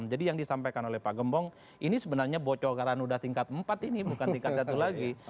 jadi yang disampaikan oleh pak gembong ini sebenarnya bocok karena udah tingkat empat ini bukan tingkat satu lagi